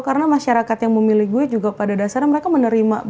karena masyarakat yang memilih gue juga pada dasarnya mereka menerima